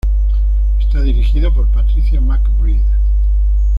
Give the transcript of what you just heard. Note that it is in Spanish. Está dirigido por Patricia McBride.